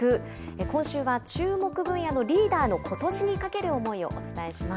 今週は注目分野のリーダーのことしにかける思いをお伝えします。